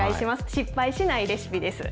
失敗しないレシピです。